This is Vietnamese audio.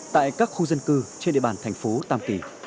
tại các khu dân cư trên địa bàn thành phố tàm kỳ